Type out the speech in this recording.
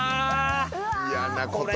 嫌なこと。